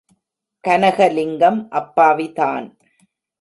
கனகலிங்கம் அப்பாவி தான்.